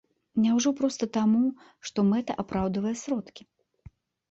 Няўжо проста таму, што мэта апраўдвае сродкі?